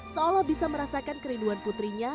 seolah bisa merasakan kerinduan putrinya